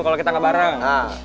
kalau kita gak bareng